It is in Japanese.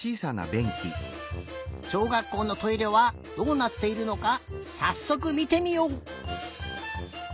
しょうがっこうのトイレはどうなっているのかさっそくみてみよう！